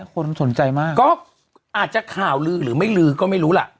ข่าวลืมก็อาจจะข่าวลืมหรือไม่ลืมก็ไม่รู้ล่ะ